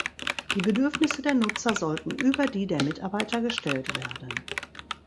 Die Bedürfnisse der Nutzer sollten über die der Mitarbeiter gestellt werden.